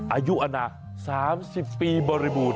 อายุอนา๓๐ปีบริบูรณ